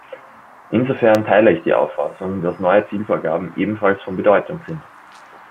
Insofern teile ich die Auffassung, dass neue Zielvorgaben ebenfalls von Bedeutung sind.